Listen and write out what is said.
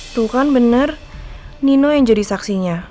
tuh kan benar nino yang jadi saksinya